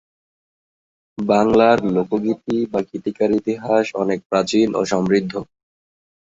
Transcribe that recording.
বাংলার লোকগীতি বা গীতিকার ইতিহাস অনেক প্রাচীন ও সমৃদ্ধ।